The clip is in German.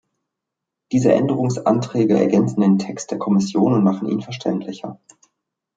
Diese Änderungsanträge ergänzen den Text der Kommission und machen ihn verständlicher.